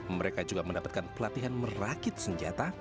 mereka juga mendapatkan pelatihan merakit senjata